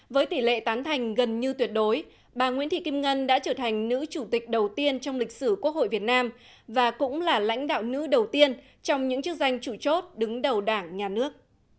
với tỷ lệ tán thành gần như tuyệt đối bà nguyễn thị kim ngân đã trở thành nữ chủ tịch đầu tiên trong lịch sử quốc hội việt nam và cũng là lãnh đạo nữ đầu tiên trong những chức danh chủ chốt đứng đầu đảng nhà nước